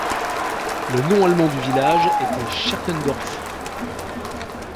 Le nom allemand du village était Schertendorf.